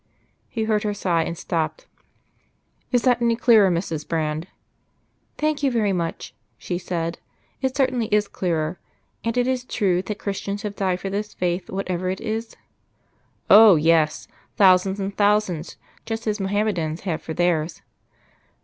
He heard her sigh, and stopped. "Is that any clearer, Mrs. Brand?" "Thank you very much," she said, "it certainly is clearer. ... And it is true that Christians have died for this Faith, whatever it is?" "Oh! yes. Thousands and thousands. Just as Mohammedans have for theirs."